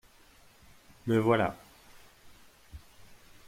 Me voilà.